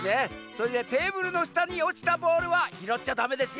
それでテーブルのしたにおちたボールはひろっちゃダメですよ。